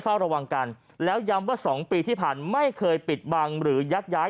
เฝ้าระวังกันแล้วย้ำว่า๒ปีที่ผ่านมาไม่เคยปิดบังหรือยักย้าย